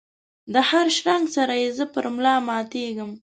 دهر شرنګ سره یې زه پر ملا ماتیږم